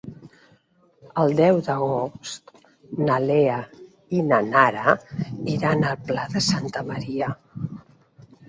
El deu d'agost na Lea i na Nara iran al Pla de Santa Maria.